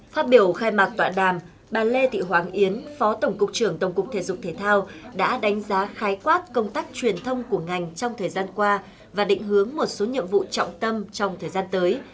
phát biểu khai mạc tọa đàm bà lê thị hoàng yến phó tổng cục trưởng tổng cục thể dục thể thao đã đánh giá khái quát công tác truyền thông của ngành trong thời gian qua và định hướng một số nhiệm vụ trọng tâm trong thời gian tới